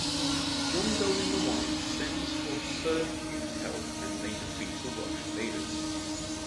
John Go-in-the-Wynd sends for Sir Hugh's help, and they defeat the Welsh invaders.